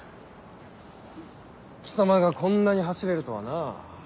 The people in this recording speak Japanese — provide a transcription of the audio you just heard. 貴様がこんなに走れるとはなぁ。